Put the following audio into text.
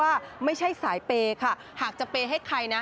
ว่าไม่ใช่สายเปย์ค่ะหากจะเปย์ให้ใครนะ